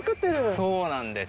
そうなんです。